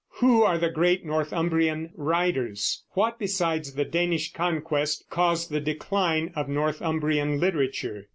Who are the great Northumbrian writers? What besides the Danish conquest caused the decline of Northumbrian literature?